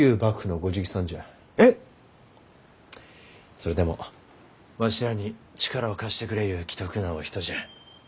それでもわしらに力を貸してくれゆう奇特なお人じゃ。